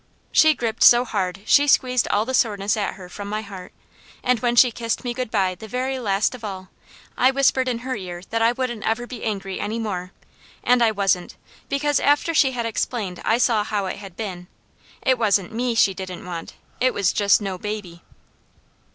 She gripped so hard she squeezed all the soreness at her from my heart, and when she kissed me good bye the very last of all, I whispered in her ear that I wouldn't ever be angry any more, and I wasn't, because after she had explained I saw how it had been. It wasn't ME she didn't want; it was just no baby.